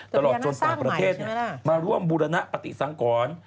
ตรงประเทศเนี่ยมาร่วมบุรณปฏิสังค์ก่อน